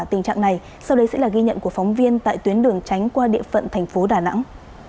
tình trạng này sau đây sẽ là ghi nhận của phóng viên tại tuyến đường tránh qua địa phận thành phố đà nẵng